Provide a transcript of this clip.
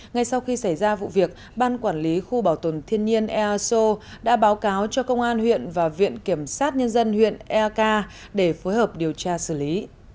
ngay sau khi xảy ra vụ việc ban quản lý khu bảo tồn thiên nhiên easo đã báo cáo cho công an huyện và viện kiểm sát nhân dân huyện eak để phối hợp điều tra xử lý